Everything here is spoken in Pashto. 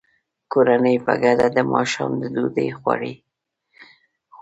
کورنۍ په ګډه د ماښام ډوډۍ خوري.